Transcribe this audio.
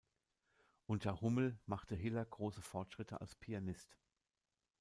Unter Hummel machte Hiller große Fortschritte als Pianist.